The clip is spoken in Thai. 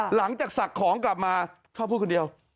หลังจากศักดิ์ของกลับมาเขาพูดคนเดียว